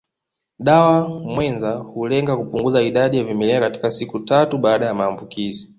Dawa mwenza hulenga kupunguza idadi ya vimelea katika siku tatu baada ya maambukizi